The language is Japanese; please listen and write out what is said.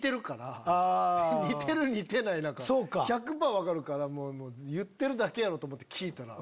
似てる似てないなんか１００％分かるから言ってるだけやろうと思って聴いたら。